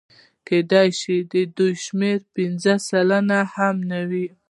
کېدای شي د دوی شمېره پنځه سلنه هم نه وي